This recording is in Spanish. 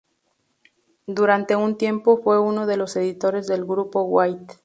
Durante un tiempo fue uno de los editores del grupo Waite.